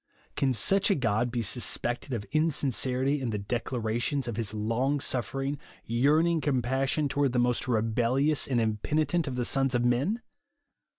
Can such a God be suspected of insincerity in the declarations of his long suffering, yerarn ing compassion toward the most rebellious and impenitent of the sons of men